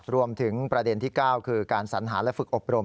รวมถึงประเด็นที่๙คือการสัญหาและฝึกอบรม